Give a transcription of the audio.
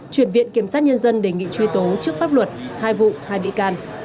chuyển viện kiểm sát nhân dân đề nghị truy tố trước pháp luật hai vụ hai bị can